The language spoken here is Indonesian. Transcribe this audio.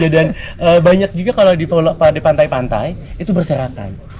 dan banyak juga kalau di pantai pantai itu berseratan